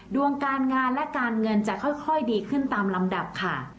ดวงการงานและการเงินจะค่อยดีขึ้นตามลำดับค่ะ